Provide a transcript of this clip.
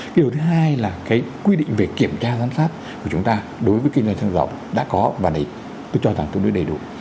điều thứ hai là cái quy định về kiểm tra giám sát của chúng ta đối với kinh doanh xăng dầu đã có và tôi cho rằng tương đối đầy đủ